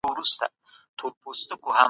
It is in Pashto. ټولنپوهنه د ټولنیزو اړیکو لاره ده.